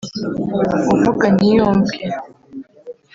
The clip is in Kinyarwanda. uvuga ntiyumvwe